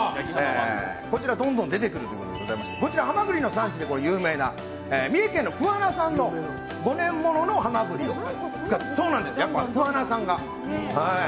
こちら、どんどん出てくるということでございましてこちら、ハマグリの産地で有名な三重県桑名産の５年物のハマグリを使って。